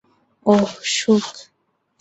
ওহ, সুখ!